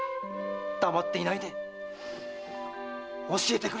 黙っていないで教えてくれ！